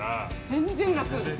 全然楽！